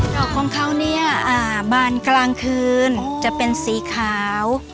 ดอกของเขาเนี่ยบานกลางคืนจะเป็นสีขาว